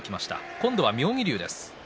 今度は妙義龍です。